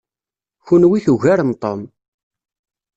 Kenwi tugarem Tom.